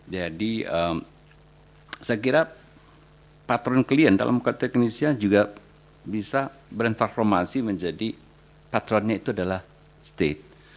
jadi saya kira patron klien dalam bukit teguh indonesia juga bisa berentrormasi menjadi patronnya itu adalah state